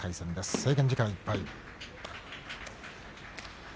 制限時間いっぱいです。